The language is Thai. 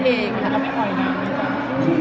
แล้วก็ไปปล่อยแบบเดียว